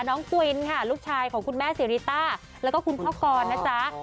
กวินค่ะลูกชายของคุณแม่สิริต้าแล้วก็คุณพ่อกรนะจ๊ะ